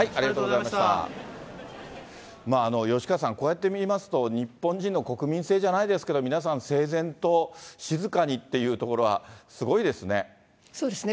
吉川さん、こうやって見ますと、日本人の国民性じゃないですけれども、皆さん整然と静かにっていうところはすごいですね。